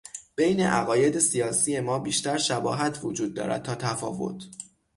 بین عقاید سیاسی ما بیشتر شباهت وجود دارد تا تفاوت.